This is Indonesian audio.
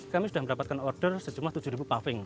kami sudah mendapatkan order sejumlah tujuh ribu puffing